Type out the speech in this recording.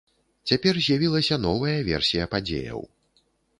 Цяпер з'явілася новая версія падзеяў.